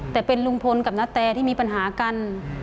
แต่เป็นลุงพลกับนาแตที่มีปัญหากัน